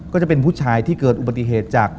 ก็จะเป็นผู้ชายที่เกิดอุบัติเหตุจาก